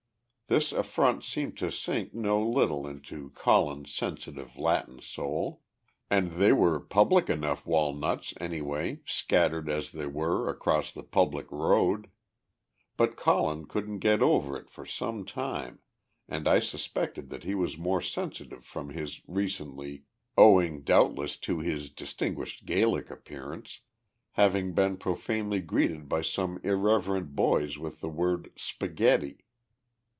This affront seemed to sink no little into Colin's sensitive Latin soul and they were public enough walnuts, anyway, scattered, as they were, across the public road! But Colin couldn't get over it for some time, and I suspected that he was the more sensitive from his recently owing, doubtless, to his distinguished Gallic appearance having been profanely greeted by some irreverent boys with the word "Spaghetti!"